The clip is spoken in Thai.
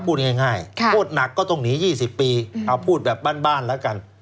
พูดง่ายโทษหนักก็ต้องหนี๒๐ปีเอาพูดแบบบ้านแล้วกัน